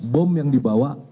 bom yang dibawa